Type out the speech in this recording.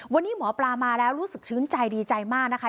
วันนี้หมอปลามาแล้วรู้สึกชื้นใจดีใจมากนะคะ